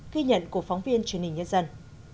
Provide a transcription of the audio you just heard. ghi nhận của phóng viên truyền hình nhân dân